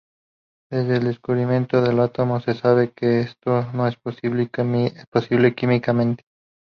Desde el descubrimiento del átomo se sabe que esto no es posible químicamente.